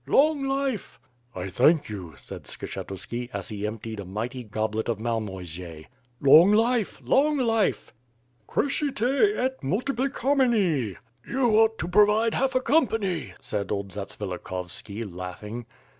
Long life!" ^'I thank you/' said Skshetuski, as he emptied a mighty goblet of Malmoisie. "Long life! Long life!; ' '^Cresciie et multiplicamini P' "You ought to provide half a company/' said old Zats yilikhovski laughing.